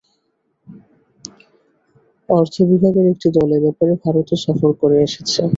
অর্থ বিভাগের একটি দল এ ব্যাপারে ভারতও সফর করে এসেছে।